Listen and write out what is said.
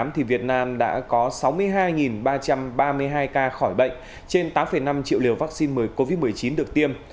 thì việt nam đã có sáu mươi hai ba trăm ba mươi hai ca khỏi bệnh trên tám năm triệu liều vaccine ngừa covid một mươi chín được tiêm